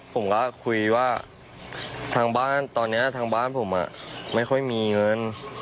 ผมก็คุยว่าทางบ้านตอนนี้ทางบ้านผมไม่ค่อยมีเงิน